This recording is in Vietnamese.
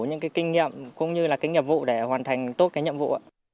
những kinh nghiệm cũng như là kinh nghiệm vụ để hoàn thành tốt cái nhiệm vụ